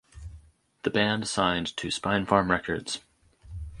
The band signed to Spinefarm Records.